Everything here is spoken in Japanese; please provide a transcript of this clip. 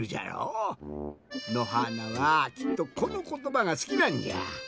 のはーなはきっとこのことばがすきなんじゃ。